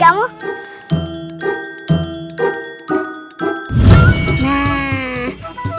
kamu menguna pisang